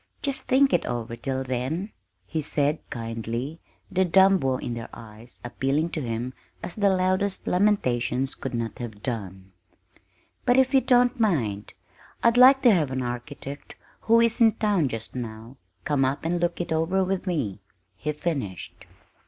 Just think it over till then," he said kindly, the dumb woe in their eyes appealing to him as the loudest lamentations could not have done. "But if you don't mind, I'd like to have an architect, who is in town just now, come up and look it over with me," he finished.